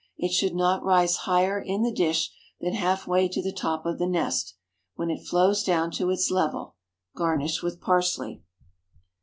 It should not rise higher in the dish than half way to the top of the nest, when it flows down to its level. Garnish with parsley.